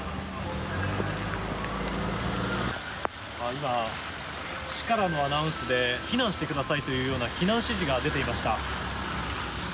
今、市からのアナウンスで避難してくださいというような避難指示が出ていました。